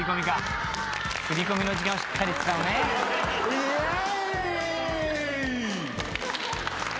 イェーイ。